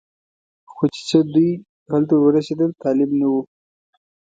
خو چې څو دوی هلته ور ورسېدل طالب نه و.